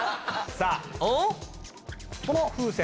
さぁこの風船。